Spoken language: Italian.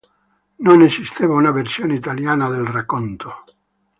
Non esisteva una versione italiana del racconto.